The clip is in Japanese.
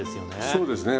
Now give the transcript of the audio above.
そうですね。